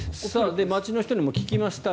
街の人にも聞きました。